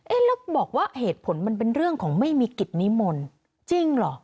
แล้วบอกว่าเหตุผลมันเป็นเรื่องของไม่มีกิจนิมนต์จริงเหรอ